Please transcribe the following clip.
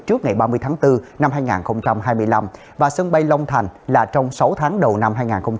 trước ngày ba mươi tháng bốn năm hai nghìn hai mươi năm và sân bay long thành là trong sáu tháng đầu năm hai nghìn hai mươi bốn